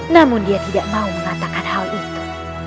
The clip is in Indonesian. namun dia tidak mau mengatakan hal itu